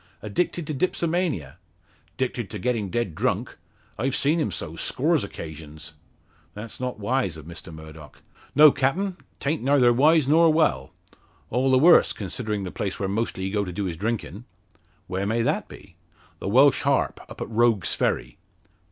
"Addicted to dipsomania?" "'Dicted to getting dead drunk. I've seen him so, scores o' 'casions." "That's not wise of Mr Murdock." "No, captain; 'ta'nt neyther wise nor well. All the worse, considerin' the place where mostly he go to do his drinkin'." "Where may that be?" "The Welsh Harp up at Rogue's Ferry."